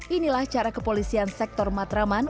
inilah cara kepolisian sektor matraman